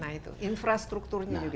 nah itu infrastrukturnya juga yang dibahas